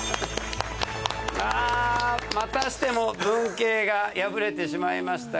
あまたしても文系が敗れてしまいましたが。